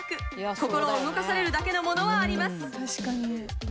心を動かされるだけのものはあります。